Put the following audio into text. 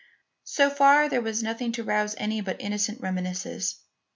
So far there was nothing to rouse any but innocent reminiscences.